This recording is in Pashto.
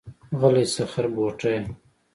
غلی شه خربوټيه.